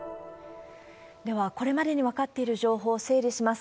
では、これまでに分かっている情報、整理します。